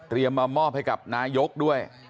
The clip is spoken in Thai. เตรียมมามอบให้กับนายกด้วย